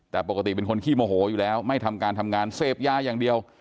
แต่ปกติเป็นคนขี้โมโหอยู่แล้วไม่ทำการทำงานเสพยาอย่างเดียว